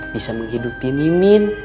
bisa menghidupi mimin